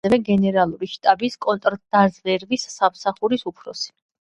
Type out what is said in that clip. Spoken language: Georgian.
იგი იყო ასევე გენერალური შტაბის კონტრდაზვერვის სამსახურის უფროსი.